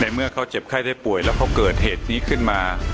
เมื่อเขาเจ็บไข้ได้ป่วยแล้วเขาเกิดเหตุนี้ขึ้นมา